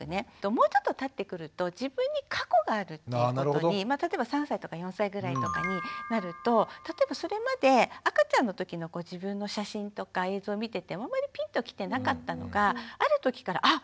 もうちょっとたってくると自分に過去があるっていうことに例えば３歳とか４歳ぐらいとかになると例えばそれまで赤ちゃんのときの自分の写真とか映像を見ててもあんまりピンときてなかったのがあるときからあっ